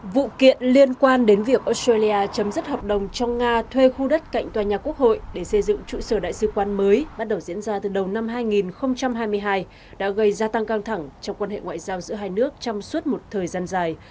vụ kiện liên quan đến việc australia chấm dứt hợp đồng cho nga thuê khu đất cạnh tòa nhà quốc hội để xây dựng trụ sở đại sứ quan mới bắt đầu diễn ra từ đầu năm hai nghìn hai mươi hai đã gây gia tăng căng thẳng trong quan hệ ngoại giao giữa hai nước trong suốt một thời gian dài